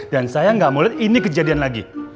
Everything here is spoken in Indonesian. dan saya gak mau lihat ini kejadian lagi